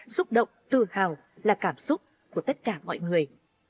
xúc động tự hào là cảm xúc của tất cả mọi người